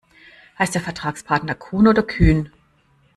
Heißt der Vertragspartner Kuhn oder Kühn?